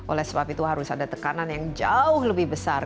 oleh sebab itu harus ada tekanan yang jauh lebih besar